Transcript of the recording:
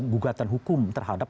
gugatan hukum terhadap